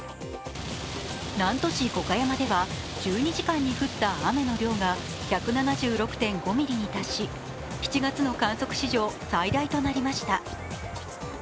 南砺市五箇山では１２時間に降った雨の量が１７６．５ミリに達し７月の観測史上最大となりました。